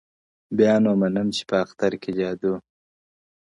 بيا نو منم چي په اختـر كي جــادو~